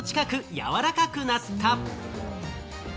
柔らかくなった。